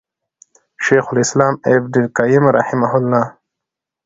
شيخ الإسلام ابن القيّم رحمه الله